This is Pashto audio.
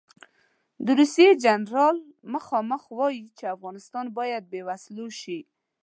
د روسیې جنرال مخامخ وایي چې افغانستان باید بې وسلو شي.